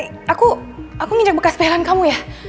aku aku nginjak bekas pelan kamu ya